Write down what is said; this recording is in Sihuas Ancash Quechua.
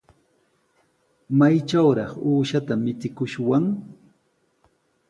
¿Maytrawraq uushata michikushwan?